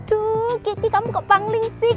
duh kiki kamu kok pangling sih